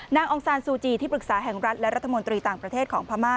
องซานซูจีที่ปรึกษาแห่งรัฐและรัฐมนตรีต่างประเทศของพม่า